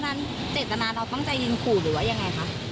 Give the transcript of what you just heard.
คุณะตอนนั้นเจตนาเราตั้งใจยิงกรีวะอย่างไรครับ